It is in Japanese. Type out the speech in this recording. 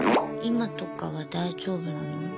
今とかは大丈夫なの？